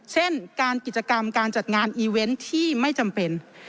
เช่นการกิจกรรมการจัดงานอีเวนต์ที่ไม่จำเป็น